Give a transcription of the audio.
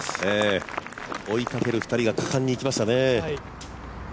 追いかける２人が果敢に行きましたね。